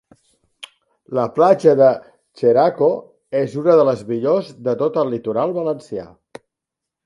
La platja de Xeraco és una de les millors de tot el litoral valencià.